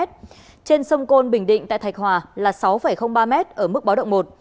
trên sông côn bình định tại thạch hòa là sáu ba m ở mức báo động một